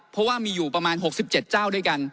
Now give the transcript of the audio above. เพราะว่ามีอยู่ประมาณ๖๗เจ้าด้วยกัน